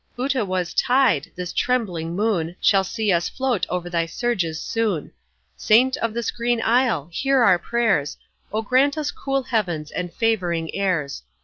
Utawas' tide! this trembling moon Shall see us float over thy surges soon. Saint of this green isle! hear our prayers, Oh, grant us cool heavens and favouring airs.